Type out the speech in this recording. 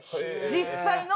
実際の。